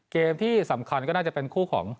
เกมที่สำคัญก็น่าจะเป็นคู่ของ